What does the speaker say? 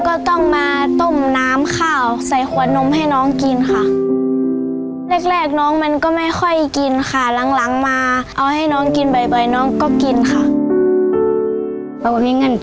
ก็ต้องมาต้มน้ำข้าว